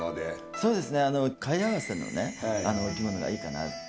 そうですね貝合わせのお着物がいいかなって。